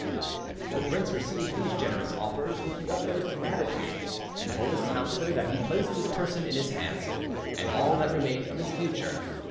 The prince received these generous offers with the utmost gratitude, and told his counsellor that he placed his person in his hands and all that remained of his future.